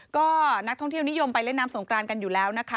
ก็นักท่องเที่ยวนิยมไปเล่นน้ำสงกรานกันอยู่แล้วนะคะ